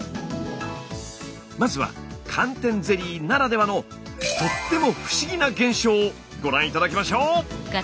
まずは寒天ゼリーならではのとっても不思議な現象をご覧頂きましょう！